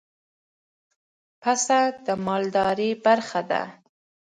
پسه د مالدارۍ برخه ده.